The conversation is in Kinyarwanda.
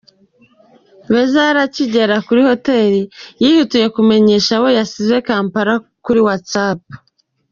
Weasal akigera kuri Hotel yihutiye kumenyesha abo yasize Kampala kuri Whatsapp.